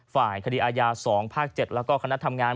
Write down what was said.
ฝ่ายคดีอาญา๒ภาค๗แล้วก็คณะทำงาน